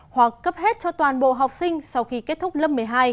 hoặc cấp hết cho toàn bộ học sinh sau khi kết thúc lớp một mươi hai